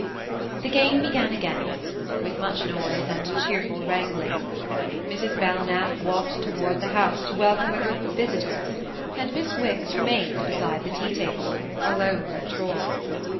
The game began again, with much noise and cheerful wrangling. Mrs. THE MARNE 53 Belknap walked toward the house to welcome a group of visitors, and Miss Wicks remained beside the tea table, alone with Troy.